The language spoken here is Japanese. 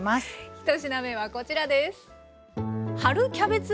１品目はこちらです。